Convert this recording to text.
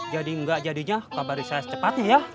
jadi enggak jadinya kabar saya secepatnya ya